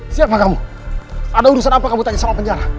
siapa kamu ada urusan apa kamu tanya sama penjara